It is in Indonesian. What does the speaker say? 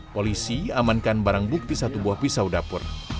polisi amankan barang bukti satu buah pisau dapur